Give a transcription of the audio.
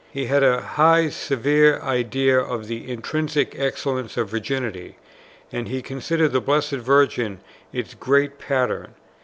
He had a high severe idea of the intrinsic excellence of Virginity; and he considered the Blessed Virgin its great Pattern.